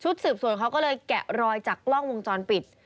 สืบสวนเขาก็เลยแกะรอยจากกล้องวงจรปิด